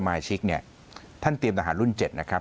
สายทหารวุฒิสมัยชิกท่านเตรียมทหารรุ่น๗นะครับ